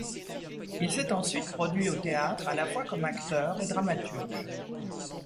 Il s’est ensuite produit au théâtre à la fois comme acteur et dramaturge.